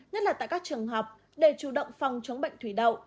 nhất là tại các trường học để chủ động phòng chống bệnh thủy đậu